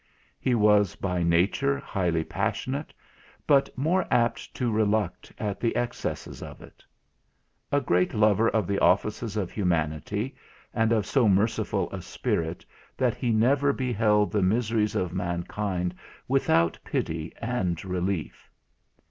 He was by nature highly passionate, but more apt to reluct at the excesses of it. A great lover of the offices of humanity, and of so merciful a spirit that he never beheld the miseries of mankind without pity and relief.